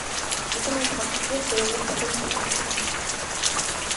لیکن اب وقت کے تیور بدل چکے ہیں۔